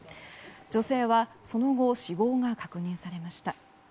女性はその後死亡が確認されました。